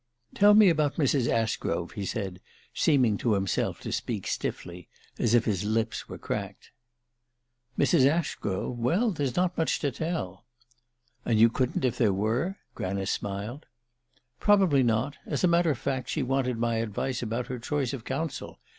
"Tell me about Mrs. Ashgrove," he said, seeming to himself to speak stiffly, as if his lips were cracked. "Mrs. Ashgrove? Well, there's not much to tell." "And you couldn't if there were?" Granice smiled. "Probably not. As a matter of fact, she wanted my advice about her choice of counsel.